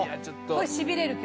これしびれる曲。